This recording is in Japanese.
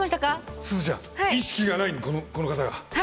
すずちゃん意識がないのこの方が。